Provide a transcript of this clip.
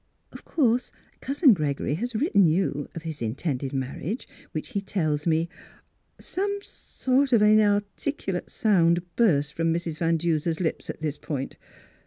" Of course Cousin Gregory has writ ten you of his intended marriage, which he tells me —" Some sort of inarticulate sound burst from Mrs. Van Duser's lips at this point.